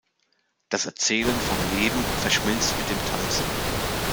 Das Erzählen vom Leben verschmilzt mit dem Tanzen.